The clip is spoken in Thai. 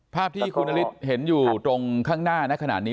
ภาพที่คุณนฤทธิ์เห็นอยู่ตรงข้างหน้านะขนาดนี้